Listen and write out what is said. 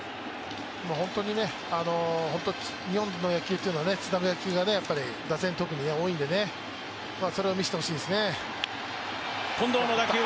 本当に日本の野球というのはつなぐ野球というのが打線は特に多いので、それを見せてほしいですね。